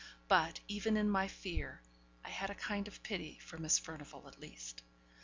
But, even in my fear, I had a kind of pity for Miss Furnivall, at least.